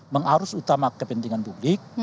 mengarus utama kepentingan publik